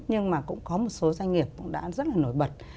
nhưng mà cũng có một số doanh nghiệp cũng đã rất là nổi bật